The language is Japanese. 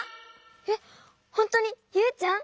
えっほんとにユウちゃん？